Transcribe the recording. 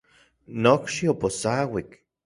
Nokxi oposauik.